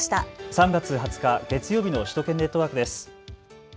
３月２０日月曜日の首都圏ネットワークです。